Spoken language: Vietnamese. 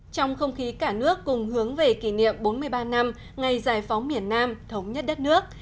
trong không khí cả nước cùng hướng về kỷ niệm bốn mươi ba năm ngày giải phóng miền nam thống nhất đất nước